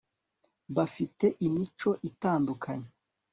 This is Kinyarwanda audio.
bafite imico itandukanye